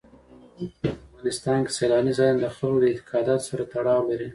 په افغانستان کې سیلانی ځایونه د خلکو د اعتقاداتو سره تړاو لري.